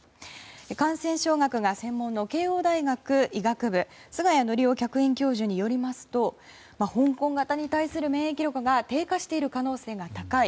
感染症学が専門の慶應大学医学部菅谷憲夫客員教授によりますと香港型に対する免疫力が低下している可能性が高い。